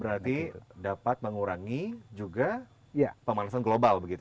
berarti dapat mengurangi juga pemanasan global begitu